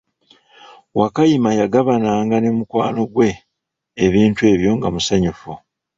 Wakayima yagabananga ne mukwano gwe ebintu ebyo nga musanyufu.